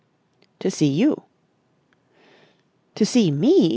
"To see you." "To see me!